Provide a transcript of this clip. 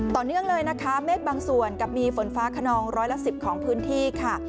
ต่อเนื่องเลยนะคะเมฆบางส่วนกับมีฝนฟ้าขนองร้อยละ๑๐ของพื้นที่ค่ะ